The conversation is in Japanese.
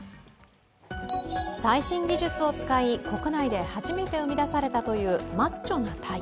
最新技術を使い国内で初めて生み出されたというマッチョな鯛。